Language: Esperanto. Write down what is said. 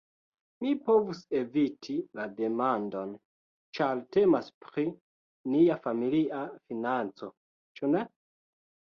Mi povus eviti la demandon, ĉar temas pri nia familia financo, ĉu ne?